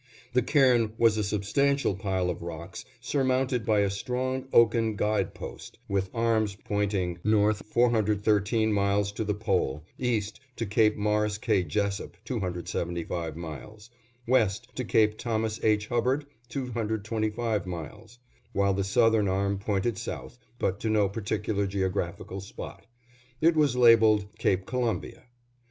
The cairn was a substantial pile of rocks, surmounted by a strong oaken guide post, with arms pointing "North 413 miles to the Pole"; "East, to Cape Morris K. Jesup, 275 miles"; "West to Cape Thomas H. Hubbard, 225 miles"; while the southern arm pointed south, but to no particular geographical spot; it was labeled "Cape Columbia."